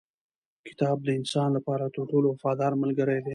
کتاب د انسان لپاره تر ټولو وفادار ملګری دی